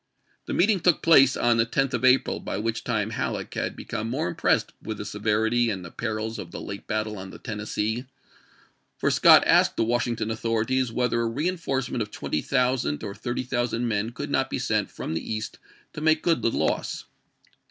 The meeting took place on the 10th of April, by which time Halleck had become more impressed with the severity and the perils of the late battle on the Tennessee; for Scott asked the Washington authorities whether a reenforcement of 20,000 or 30,000 men could not be sent from the East to make good the loss.